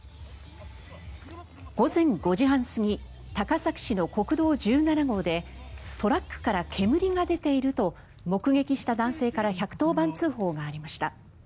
午前５時半過ぎ高崎市の国道１７号でトラックから煙が出ていると目撃した男性から１１０番通報がありました。